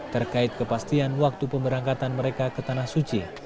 terkait kepastian waktu pemberangkatan mereka ke tanah suci